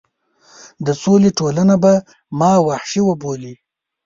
د سولې ټولنه به ما وحشي وبولي.